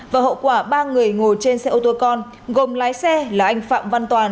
và hậu quả ba người ngồi trên xe ô tô con gồm lái xe là anh phạm văn toàn